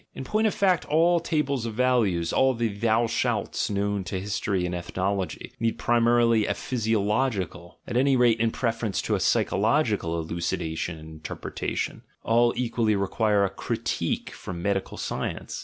In point of fact, all tables of values, all the "thou shalts" known to history and ethnology, need primarily a physiological, at any rate in preference to a psychological, elucidation and interpretation : all equally require a critique from medical science.